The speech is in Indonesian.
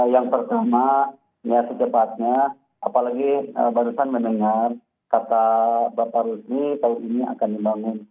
yang pertama ya secepatnya apalagi barusan mendengar kata bapak rusmi tahun ini akan dibangun